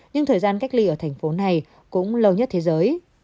nhưng thời gian cách ly ở thành phố này cũng lâu nhất thế giới